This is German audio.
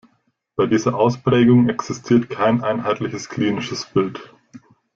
Bei dieser Ausprägung existiert kein einheitliches klinisches Bild.